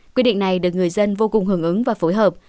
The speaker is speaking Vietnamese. quy định này được người dân vô cùng hưởng ứng và phối hợp